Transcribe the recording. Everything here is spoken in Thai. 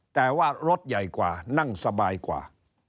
แต่ว่ารถใหญ่กว่านั่งสบายกว่า